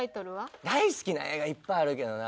大好きな映画いっぱいあるけどな